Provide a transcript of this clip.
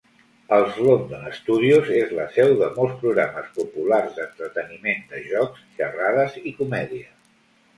Els London Studios és la seu de molts programes populars d'entreteniment de jocs, xerrades i comèdia.